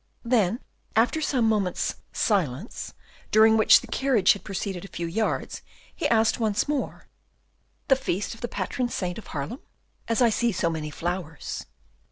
Then, after some moments, silence, during which the carriage had proceeded a few yards, he asked once more, "The feast of the patron saint of Haarlem? as I see so many flowers."